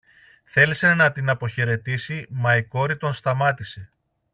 Θέλησε να την αποχαιρετήσει, μα η κόρη τον σταμάτησε.